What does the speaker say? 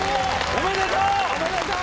おめでとう！